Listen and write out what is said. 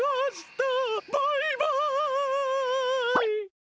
バイバイ！